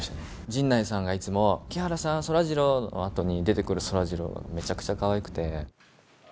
陣内さんがいつも、木原さん、そらジローのあとに出てくるそらジローがめちゃくちゃかわいくて。